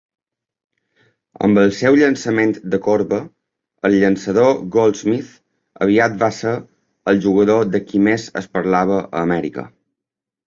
Amb el seu "llançament de corba", el llançador Goldsmith aviat va ser el jugador de qui més es parlava a Amèrica!